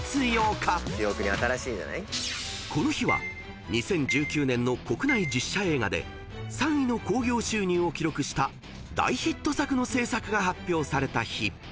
［この日は２０１９年の国内実写映画で３位の興行収入を記録した大ヒット作の制作が発表された日］